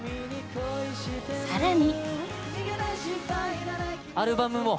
更に。